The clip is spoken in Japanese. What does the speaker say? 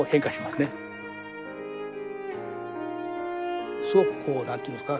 すごくこう何て言うんですか。